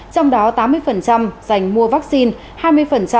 trong đó tám mươi dành mua vaccine